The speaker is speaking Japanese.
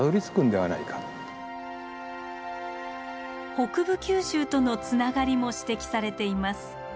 北部九州とのつながりも指摘されています。